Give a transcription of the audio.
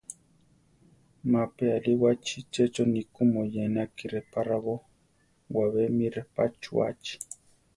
Ma pe aríwachi, checho ni ku moyénaki repá raábo, wabé mi repá chuʼachi.